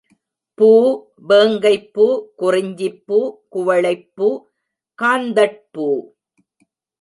பூ, வேங்கைப்பூ, குறிஞ்சிப்பூ, குவளைப்பூ, காந்தட்பூ.